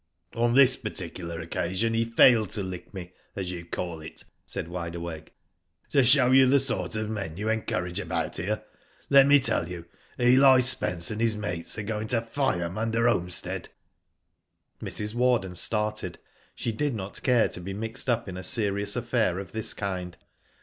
'^ On this particular occasion he failed to lick me as you call it," said Wide Awake. " To show you the sort of men you encourage about here, let me tell you Eli Spence and his mates are going to fire Munda homestead." Mrs. Warden started. She did not care to be mixed up in a serious affair of this kind.